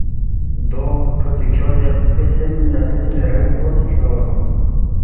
دو کھو سی کھیونگسے قسم نہ قسمی رنگ کُن کھیونگس